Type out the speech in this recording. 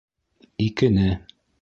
Икене.